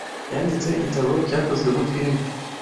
yanditse igitabo cyakozwemo film